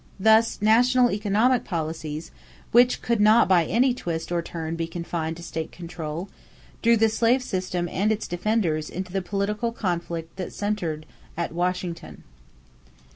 Thus national economic policies, which could not by any twist or turn be confined to state control, drew the slave system and its defenders into the political conflict that centered at Washington.